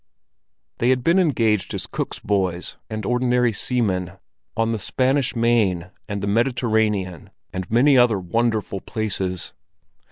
They had been engaged as cook's boys and ordinary seamen, on the Spanish main and the Mediterranean and many other wonderful places.